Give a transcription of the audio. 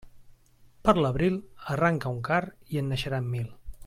Per l'abril, arranca un card i en naixeran mil.